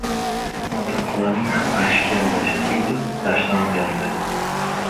Otin xolaning ham g‘ashi keldi shekilli, dashnom berdi: